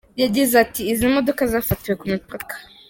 Yagize ati “Izi modoka zafatiwe ku mipaka.